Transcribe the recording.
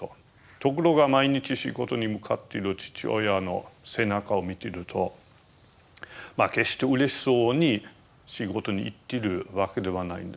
ところが毎日仕事に向かっている父親の背中を見てると決してうれしそうに仕事に行ってるわけではないんですね。